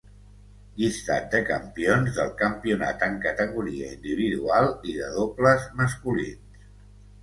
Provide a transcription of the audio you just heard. Llistat de campions del campionat en categoria individual i de dobles masculins.